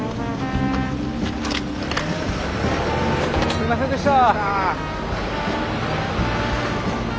すいませんでした。